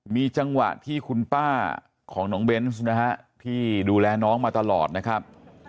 มีจังหวะที่คุณป้าของเบนที่ดูแลน้องมาตลอดนะครับ